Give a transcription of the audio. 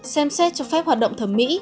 xem xét cho phép hoạt động thẩm mỹ